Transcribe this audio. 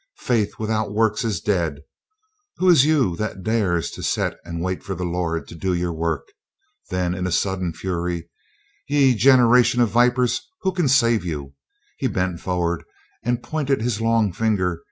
Faith without works is dead; who is you that dares to set and wait for the Lord to do your work?" Then in sudden fury, "Ye generation of vipers who kin save you?" He bent forward and pointed his long finger.